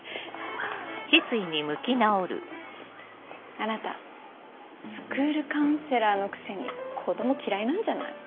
あなたスクールカウンセラーのくせに子供嫌いなんじゃない？